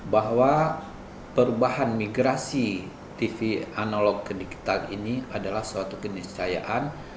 bahwa perubahan migrasi tv analog ke digital ini adalah suatu keniscayaan